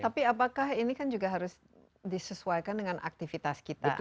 tapi apakah ini kan juga harus disesuaikan dengan aktivitas kita